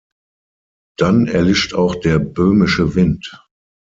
Dann erlischt auch der Böhmische Wind.